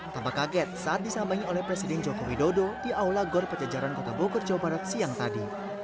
tampak kaget saat disambangi oleh presiden joko widodo di aula gor pejajaran kota bogor jawa barat siang tadi